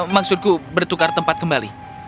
maksudku bertukar tempat kembali